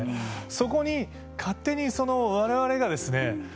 そこに勝手にわれわれがですね